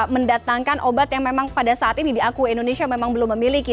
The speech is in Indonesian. mendatangkan obat yang memang pada saat ini diakui indonesia memang belum memiliki